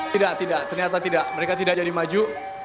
tidak tidak ternyata tidak mereka tidak jadi maju